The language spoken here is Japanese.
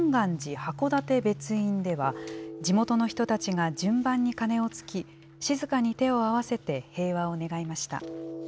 函館別院では、地元の人たちが順番に鐘を突き、静かに手を合わせて平和を願いました。